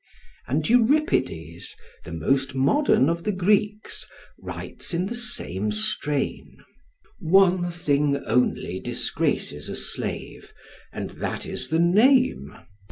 And Euripides, the most modern of the Greeks, writes in the same strain: "One thing only disgraces a slave, and that is the name.